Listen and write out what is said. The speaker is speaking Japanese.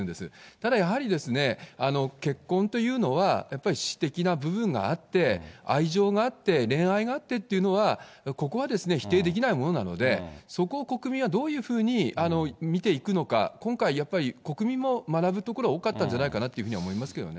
ただやはり、結婚というのは、やっぱり私的な部分があって、愛情があって、恋愛があってというのは、ここは否定できないものなので、そこを国民はどういうふうに見ていくのか、今回やっぱり国民も学ぶところ、多かったんじゃないかなと思いますけどね。